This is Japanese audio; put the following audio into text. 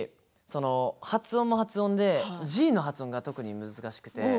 発音も発音でＧの発音が特に難しくて。